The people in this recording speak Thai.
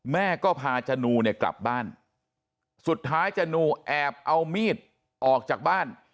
แม่ก็พาจนูเนี่ยกลับบ้านสุดท้ายจนูแอบเอามีดออกจากบ้าน